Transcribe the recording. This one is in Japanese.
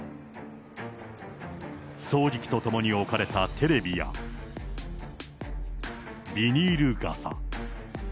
掃除機とともに置かれたテレビや、ビニール傘。